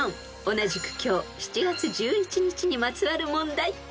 ［同じく今日７月１１日にまつわる問題］